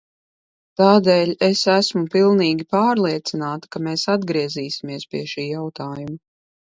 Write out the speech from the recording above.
Tādēļ es esmu pilnīgi pārliecināta, ka mēs atgriezīsimies pie šī jautājuma.